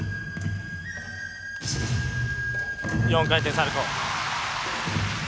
４回転サルコー。